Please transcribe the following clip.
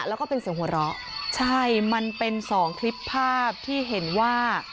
แล้วก็เป็นเสียงหัวเราะใช่มันเป็นสองคลิปภาพที่เห็นว่า